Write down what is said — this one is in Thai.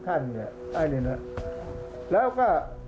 ภาคอีสานแห้งแรง